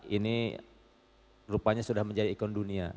ini rupanya sudah menjadi ikon dunia